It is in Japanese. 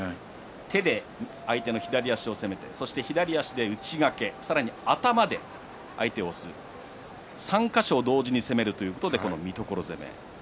手で相手の足を攻めて左足で内掛けさらに頭で相手を押す３か所を同時に攻めるということで三所攻め。